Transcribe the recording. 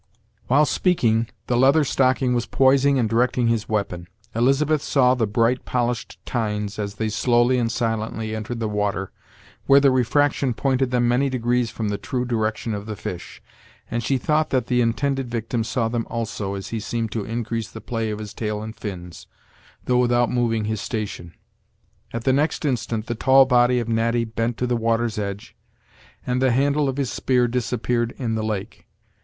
While speaking, the Leather Stocking was poising and directing his weapon. Elizabeth saw the bright, polished tines, as they slowly and silently entered the water, where the refraction pointed them many degrees from the true direction of the fish; and she thought that the intended victim saw them also, as he seemed to increase the play of his tail and fins, though without moving his station. At the next instant the tall body of Natty bent to the water's edge, and the handle of his spear disappeared in the lake.